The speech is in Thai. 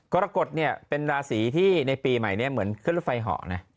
ก้อละกดเนี่ยเป็นราศีที่ในปีใหม่เนี่ยเหมือนเครื่องรถไฟเหาะนะครับ